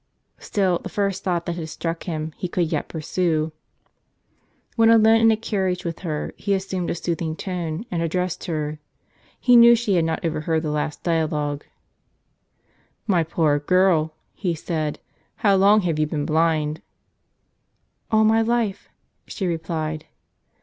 Still, the first thought that had struck him he could yet pursue. When alone in a carriage with her, he assumed a soothing tone, and addressed her. He knew she had not overheard the last dialogue. " My poor girl," he said, " how long have you been blind?" " All my life," she replied.